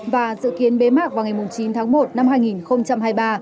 và dự kiến bế mạc vào ngày chín tháng một năm hai nghìn hai mươi ba